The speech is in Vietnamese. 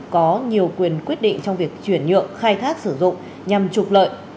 có nhiều quyền quyết định trong việc chuyển nhượng khai thác sử dụng nhằm trục lợi